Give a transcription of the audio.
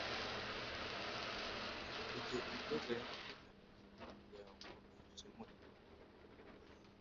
Dufite ibibazo bimwe byemewe n'amategeko kugirango dukemure